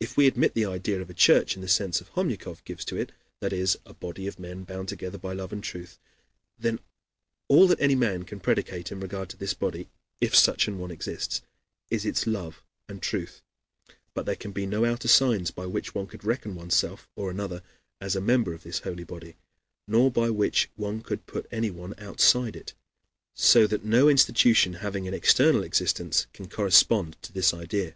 If we admit the idea of a church in the sense Homyakov gives to it that is, a body of men bound together by love and truth then all that any man can predicate in regard to this body, if such an one exists, is its love and truth, but there can be no outer signs by which one could reckon oneself or another as a member of this holy body, nor by which one could put anyone outside it; so that no institution having an external existence can correspond to this idea.